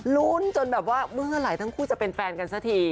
ลุ้นจนแบบว่าเมื่อไหร่ทั้งคู่จะเป็นแฟนกันสักที